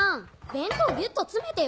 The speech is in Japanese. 弁当ギュっと詰めてよ。